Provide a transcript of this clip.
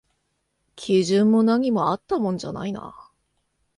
基準も何もあったもんじゃないな